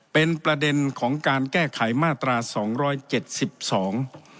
เป็นประเด็นของการแก้ไขมาตราสองร้อยเจ็ดสิบสอง